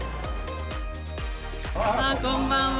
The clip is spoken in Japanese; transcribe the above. こんばんは。